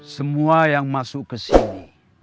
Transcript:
semua yang masuk ke sini